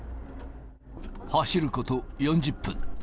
走ること４０分。